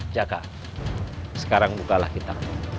jaka sekarang bukalah kita